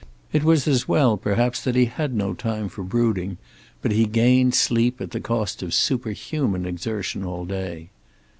It was as well perhaps that he had no time for brooding, but he gained sleep at the cost of superhuman exertion all day.